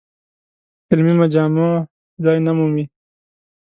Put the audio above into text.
علمي مجامعو ځای نه مومي.